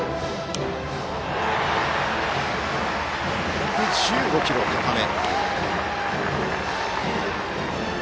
１１５キロ、高め。